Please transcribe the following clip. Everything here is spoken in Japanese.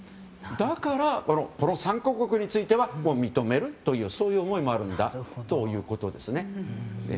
だから、この３か国については認めるというそういう思いもあるということです。